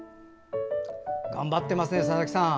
頑張ってますね佐々木さん。